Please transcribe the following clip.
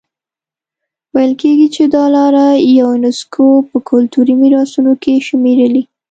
ویل کېږي چې دا لاره یونیسکو په کلتوري میراثونو کې شمېرلي.